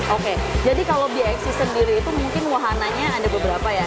oke jadi kalau bxc sendiri itu mungkin wahananya ada beberapa ya